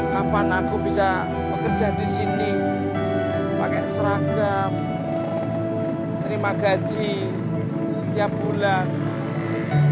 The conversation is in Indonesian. kapan aku bisa bekerja di sini pakai seragam terima gaji tiap bulan